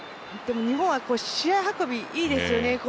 日本は試合運び、いいですよね。